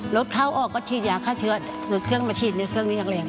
รถเข้าออกก็ฉีดยาฆ่าเชื้อคือเครื่องมาฉีดในเครื่องนี้อย่างแรง